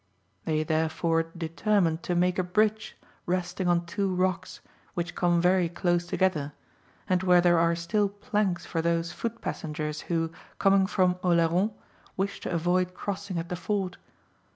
They therefore determined to make a bridge resting on two rocks which come very close together, and where there are still planks for those foot passengers who, coming from Oleron, wish to avoid crossing at the ford.